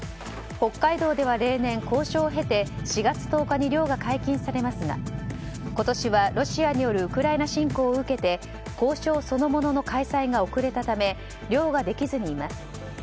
北海道では例年、交渉を経て４月１０日に漁が解禁されますが今年はロシアによるウクライナ侵攻を受けて交渉そのものの開催が遅れたため漁ができずにいます。